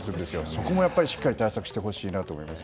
そこもしっかり対策してほしいなと思います。